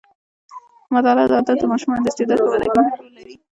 د مطالعې عادت د ماشومانو د استعداد په وده کې مهم رول لري.